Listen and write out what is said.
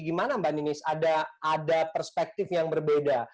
gimana mbak ninis ada perspektif yang berbeda